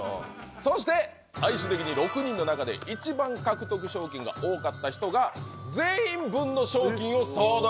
そして最終的に６人の中で一番獲得賞金が多かった人が全員分の賞金を総取り！